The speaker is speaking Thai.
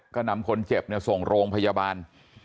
ก็นำคนเจ็บส่งโรงพยาบาล